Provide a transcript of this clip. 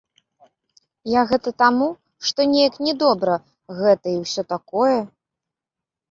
Я гэта таму, што неяк не добра гэта і ўсё такое.